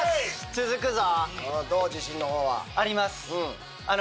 続くぞ！